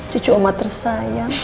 cucu oma tersayang